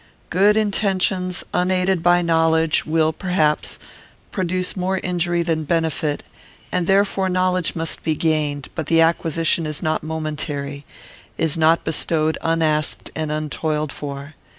Good intentions, unaided by knowledge, will, perhaps, produce more injury than benefit, and therefore knowledge must be gained, but the acquisition is not momentary; is not bestowed unasked and untoiled for.